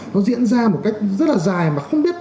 nó diễn ra một cách rất là dài mà không biết